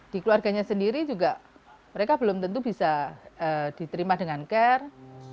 di keluarganya sendiri juga mereka belum tentu bisa diterima dengan care